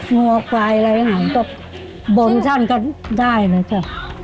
หัวควายอะไรอย่างไรบนฉันก็ได้เลยค่ะ